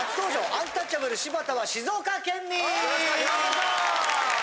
アンタッチャブル柴田は静岡県民！